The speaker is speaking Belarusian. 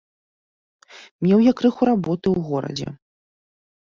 Меў я крыху работы ў горадзе.